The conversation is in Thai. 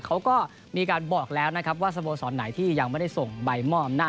เขาก็มีการบอกแล้วนะครับว่าสโมสรไหนที่ยังไม่ได้ส่งใบมอบอำนาจ